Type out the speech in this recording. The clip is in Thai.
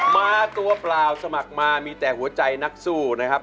มาตัวเปล่าสมัครมามีแต่หัวใจนักสู้นะครับ